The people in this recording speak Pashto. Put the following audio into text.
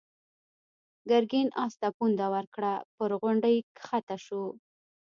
ګرګين آس ته پونده ورکړه، پر غونډۍ کښته شو.